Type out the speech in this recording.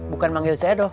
bukan manggil si edo